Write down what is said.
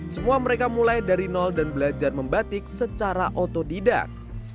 semua mereka mulai dari nol dan belajar membatik secara otodidak